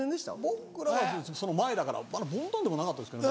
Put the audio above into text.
僕らはその前だからボンタンでもなかったですけど。